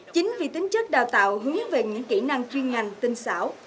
chính vì tính chất đào tạo hướng về những kỹ năng chuyên ngành tinh xảo